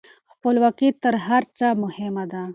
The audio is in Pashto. خپلواکي تر هر څه مهمه ده.